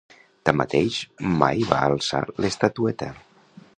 Tanmateix, mai va alçar l’estatueta.